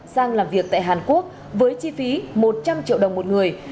sang làm việc tại hàn quốc với chi phí một trăm linh triệu đồng một người